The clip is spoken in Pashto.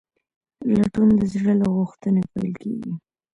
لټون د زړه له غوښتنې پیل کېږي.